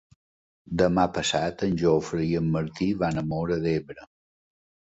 Demà passat en Jofre i en Martí van a Móra d'Ebre.